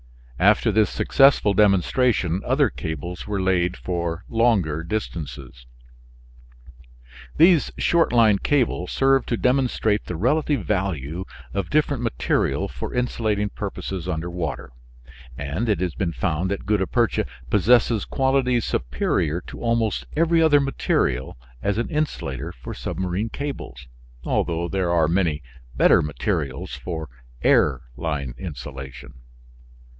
After this successful demonstration other cables were laid for longer distances. These short line cables served to demonstrate the relative value of different material for insulating purposes under water, and it has been found that gutta percha possesses qualities superior to almost every other material as an insulator for submarine cables, although there are many better materials for air line insulation.